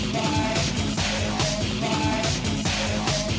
berkunjung di kppi